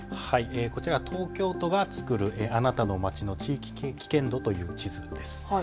こちらは東京都が作るあなたのまちの地域危険度という地図です。